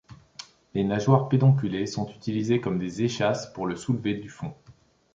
Les nageoires pédonculées sont utilisées comme des échasses, pour le soulever du fond.